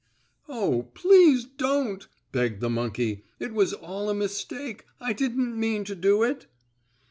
"Oh, please don't!" begged the monkey. "It was all a mistake. I didn't mean to do it!"